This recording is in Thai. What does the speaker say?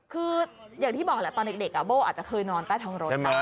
คืออย่างที่บอกแหละตอนเด็กโบ้อาจจะเคยนอนใต้ท้องรถ